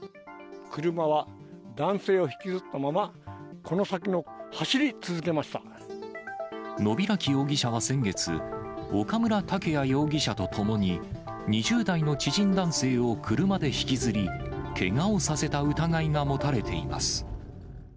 車は男性を引きずったまま、野開容疑者は先月、岡村武弥容疑者と共に、２０代の知人男性を車で引きずり、けがをさせた疑いが持たれています。